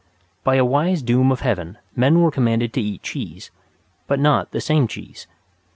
By a wise doom of heaven men were commanded to eat cheese, but not the same cheese.